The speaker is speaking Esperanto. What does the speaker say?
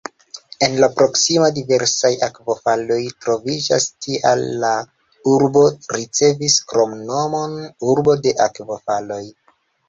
En la proksimo diversaj akvofaloj troviĝas, tial la urbo ricevis kromnomon "urbo de akvofaloj".